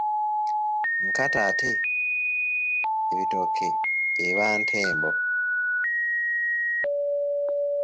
Nkata ate ebitooke eba ntembo.